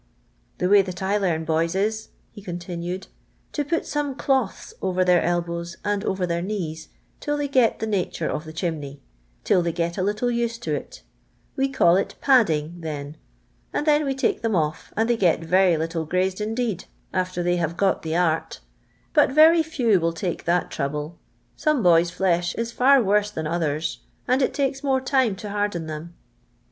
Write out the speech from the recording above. The way that I learn boys is/' he continued, " to put some cloths over their elbows and over their knees till they get the nature of the chimney — till they get a little used to it : we call it padding them, and then we take them off, and they get very little grazed indeed after they have got the art; but very few will take that trouble. Some boys' flesh is far worse than others, and it takes more time to harden them."